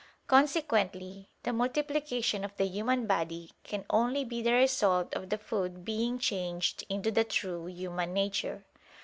Consequently the multiplication of the human body can only be the result of the food being changed into the true human nature.